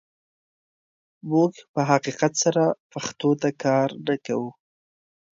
موږ په حقیقت سره پښتو ته کار نه کوو.